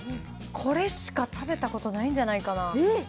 これしか食べたことないんじゃなえっ？